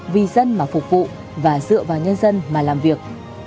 vì dân mà phục vụ và dựa vào nhân dân mà làm việc